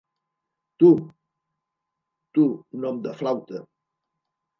Tu! —Tu, nom de flauta!